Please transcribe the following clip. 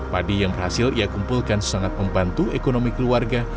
padi yang berhasil ia kumpulkan sangat membantu ekonomi keluarga